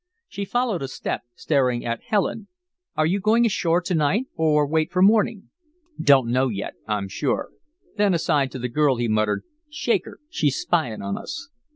She followed a step, staring at Helen. "Are you going ashore to night or wait for morning?" "Don't know yet, I'm sure." Then aside to the girl he muttered, "Shake her, she's spying on us."